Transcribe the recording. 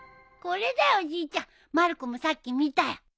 これだよおじいちゃんまる子もさっき見たよ。